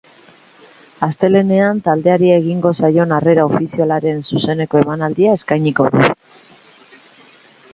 Astelehean taldeari egingo zaion harrera ofizialaren zuzeneko emanaldia eskainiko du.